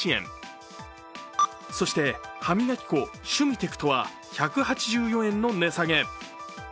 そして歯磨き粉シュミテクトは１８４円の値下げ。